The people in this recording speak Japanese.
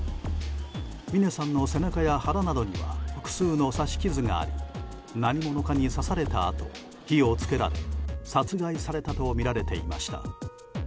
峰さんの背中や腹などには複数の刺し傷があり何者かに刺されたあと火を付けられ殺害されたとみられていました。